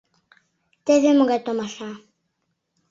Теве могай томаша: